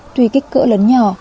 tùy kích cỡ lớn nhỏ